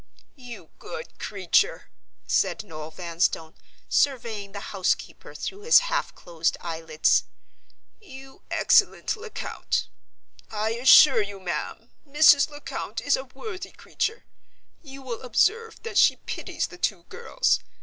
"You good creature!" said Noel Vanstone, surveying the housekeeper through his half closed eyelids. "You excellent Lecount! I assure you, ma'am, Mrs. Lecount is a worthy creature. You will observe that she pities the two girls.